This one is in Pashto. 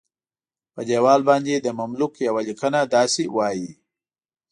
په دیوال باندې د مملوک یوه لیکنه داسې وایي.